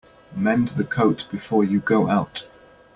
Mend the coat before you go out.